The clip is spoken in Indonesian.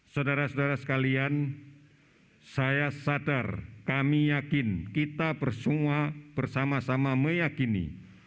saudara saudara sekalian saya sadar kami yakin kita bersama sama meyakini